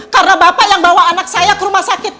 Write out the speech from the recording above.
karena bapak yang bawa anak saya ke rumah sakit